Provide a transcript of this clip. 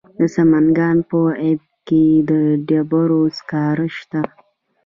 د سمنګان په ایبک کې د ډبرو سکاره شته.